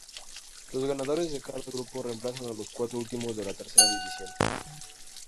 Los ganadores de cada grupo reemplazan a los cuatro últimos de la tercera división.